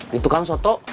di tukang soto